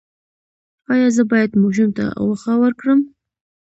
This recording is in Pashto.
ایا زه باید ماشوم ته غوښه ورکړم؟